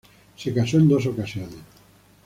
Se casó en dos ocasiones.